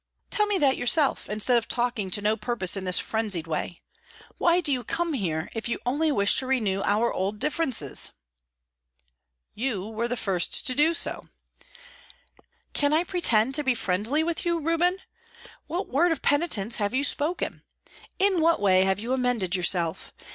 "Tell me that yourself, instead of talking to no purpose in this frenzied way. Why do you come here, if you only wish to renew our old differences?" "You were the first to do so." "Can I pretend to be friendly with you, Reuben? What word of penitence have you spoken? In what have you amended yourself?